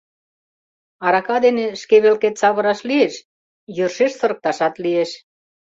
Арака дене шке велкет савыраш лиеш, йӧршеш сырыкташат лиеш...